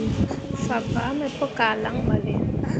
Fabaa me pu kah lan ɓale.